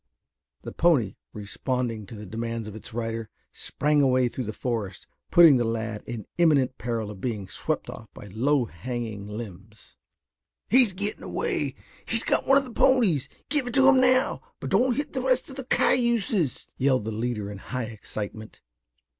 The pony, responding to the demands of its rider, sprang away through the forest, putting the lad in imminent peril of being swept off by low hanging limbs. "He's getting away. He's got one of the ponies. Give it to him now, but don't hit the rest of the cayuses!" yelled the leader in high excitement.